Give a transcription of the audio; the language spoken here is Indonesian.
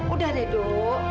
udah deh duk